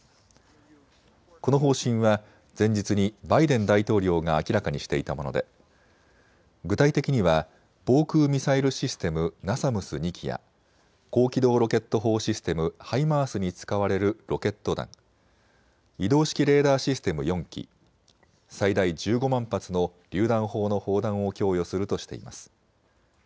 この方針は前日にバイデン大統領が明らかにしていたもので具体的には防空ミサイルシステムナサムス２基や高機動ロケット砲システム・ハイマースに使われるロケット弾、移動式レーダーシステム４基、最大１５万発のりゅう弾砲の砲弾を供与するとしています。